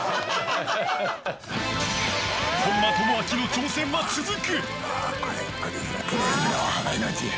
本間朋晃の挑戦は続く。